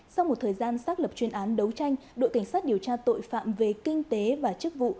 sau một thời gian xác lập chuyên án đấu tranh đội cảnh sát điều tra tội phạm về kinh tế và chức vụ